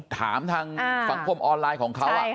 ถามทางสังคมออนไลน์ของเขา